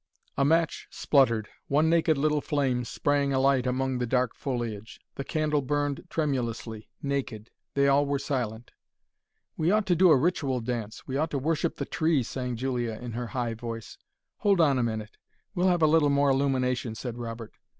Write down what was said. A match spluttered. One naked little flame sprang alight among the dark foliage. The candle burned tremulously, naked. They all were silent. "We ought to do a ritual dance! We ought to worship the tree," sang Julia, in her high voice. "Hold on a minute. We'll have a little more illumination," said Robert.